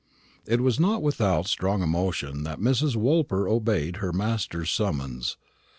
It was not without strong emotion that Mrs. Woolper obeyed her old master's summons.